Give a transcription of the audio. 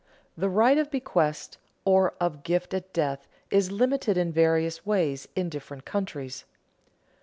_The right of bequest, or of gift at death, is limited in various ways in different countries.